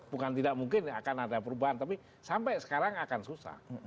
bukan tidak mungkin akan ada perubahan tapi sampai sekarang akan susah